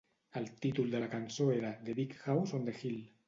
El títol de la cançó era "The Big House on the Hill".